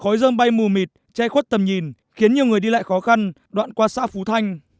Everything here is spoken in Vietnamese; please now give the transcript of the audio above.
khói dâm bay mù mịt che khuất tầm nhìn khiến nhiều người đi lại khó khăn đoạn qua xã phú thanh